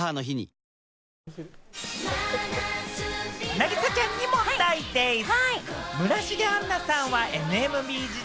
凪咲ちゃんに問題でぃす！